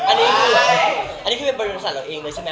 อันนี้คือเป็นบริษัทเราเองใช่มั้ย